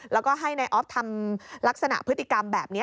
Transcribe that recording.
แล้วก็ให้นายออฟทำลักษณะพฤติกรรมแบบนี้